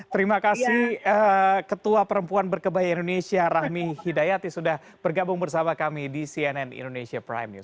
terima kasih ketua perempuan berkebaya indonesia rahmi hidayati sudah bergabung bersama kami di cnn indonesia prime news